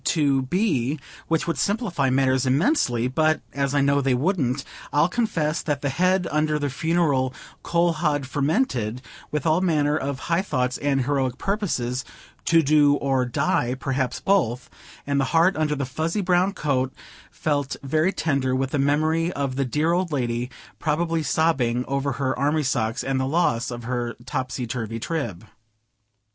to B., which would simplify matters immensely; but as I know they wouldn't, I'll confess that the head under the funereal coal hod fermented with all manner of high thoughts and heroic purposes "to do or die," perhaps both; and the heart under the fuzzy brown coat felt very tender with the memory of the dear old lady, probably sobbing over her army socks and the loss of her topsy turvy Trib.